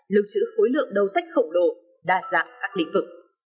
lưu trữ khối lượng đầu sách khổng lồ đa dạng các lĩnh vực